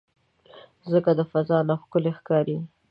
مځکه د فضا نه ښکلی ښکاري.